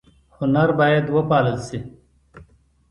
هنر باید وپال ل شي